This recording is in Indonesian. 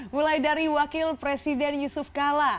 mulai dari wakil presiden yusuf kala